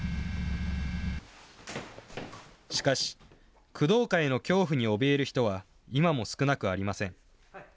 しかし、工藤会の恐怖におびえる人は今も少なくありません。